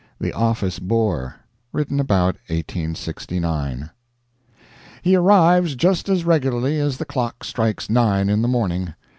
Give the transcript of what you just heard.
THE OFFICE BORE [Written about 1869] He arrives just as regularly as the clock strikes nine in the morning.